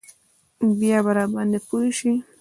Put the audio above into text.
بيا به راباندې پوه سي.